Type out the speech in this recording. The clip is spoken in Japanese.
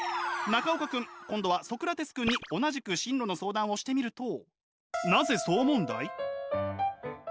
中岡君今度はソクラテス君に同じく進路の相談をしてみると。